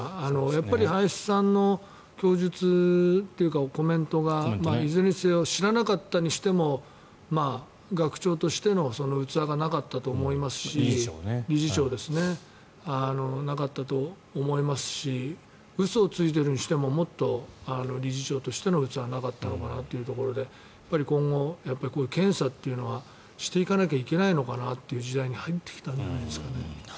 やっぱり林さんの供述というかコメントがいずれにせよ知らなかったにしても理事長としての器がなかったと思いますし嘘をついているにしてももっと、理事長としての器がなかったのかなというところで今後、こういう検査というのはしていかなきゃいけないのかなという時代に入ってきたんじゃないですかね。